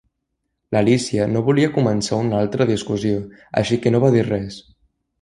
L'Alícia no volia començar una altra discussió, així que no va dir res.